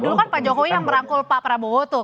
dulu kan pak jokowi yang merangkul pak prabowo tuh